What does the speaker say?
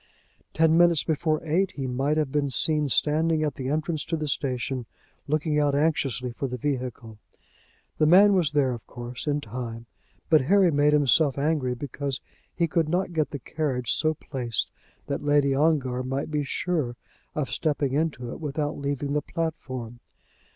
Ten minutes before eight he might have been seen standing at the entrance to the station looking out anxiously for the vehicle. The man was there, of course, in time, but Harry made himself angry because he could not get the carriage so placed that Lady Ongar might be sure of stepping into it without leaving the platform.